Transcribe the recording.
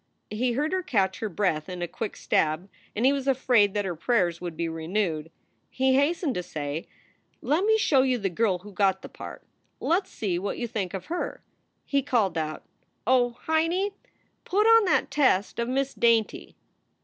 He heard her catch her breath in a quick stab, and he was afraid that her prayers would be renewed. He hastened to say: "Let me show you the girl who got the part. Let s see what you think of her." He called out, "Oh, Heinie, put on that test of Miss Dainty."